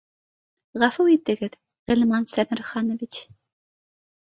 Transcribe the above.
— Ғәфү итегеҙ, Ғилман Сәмерханович